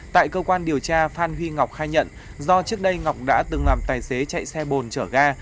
tại cơ quan điều tra phan huy ngọc khai nhận do trước đây ngọc đã từng làm tài xế chạy xe bồn chở ga